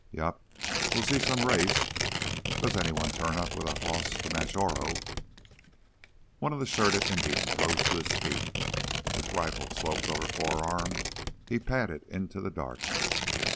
"Yep, we'll see some race, does anyone turn up with a hoss t' match Oro." One of the shirted Indians rose to his feet. With rifle sloped over forearm, he padded into the dark.